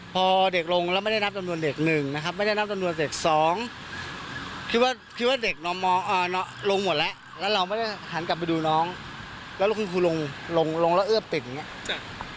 พอเด็กลงแล้วไม่ได้นับจำนวนเด็กหนึ่งนะครับไม่ได้นับจำนวนเด็กสองคิดว่าคิดว่าเด็กลงหมดแล้วแล้วเราไม่ได้หันกลับไปดูน้องแล้วคุณครูลงลงแล้วเอื้อปิดอย่างนี้